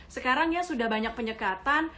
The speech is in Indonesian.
sekarang ya sudah banyak penyekatan